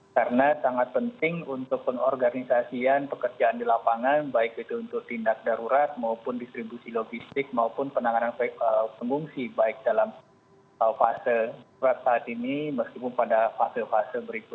saya juga kontak dengan ketua mdmc jawa timur yang langsung mempersiapkan dukungan logistik untuk erupsi sumeru